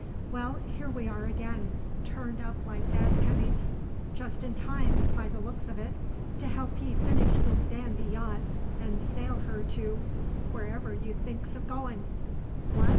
"Well, here we are again, turned up like bad pennies; just in time, by the looks of it, to help ye finish this dandy yacht and sail her to wherever you thinks of goin'." "What!"